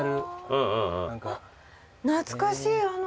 懐かしいあの。